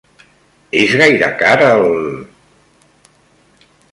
És gaire car el...?